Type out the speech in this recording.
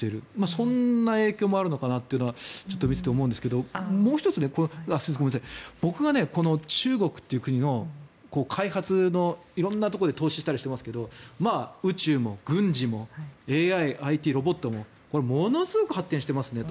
そんな影響もあるのかなって見ていて思うんですがもう１つ僕が、中国という国の開発の色んなところで投資したりしていますが宇宙も軍事もＡＩもロボットもこれはものすごく発展してますねと。